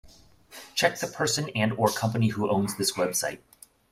Check the person and/or company who owns this website.